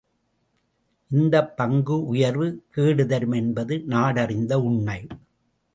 இந்தப் பங்கு உயர்வு கேடுதரும் என்பது நாடறிந்த உண்மை.